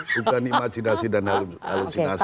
bukan imajinasi dan halusinasi